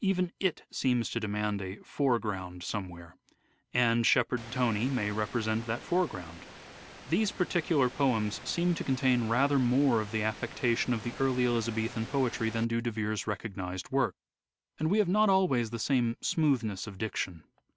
Even it seems to demand a " foreground somewhere "; and Shepherd Tony may represent that foreground. These particular poems seem to contain rather more of the affectation of the early Elizabethan poetry than do De Vere's recognized work, and have not always the same smoothness of diction.